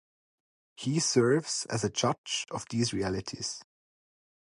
He serves as a judge of these realities.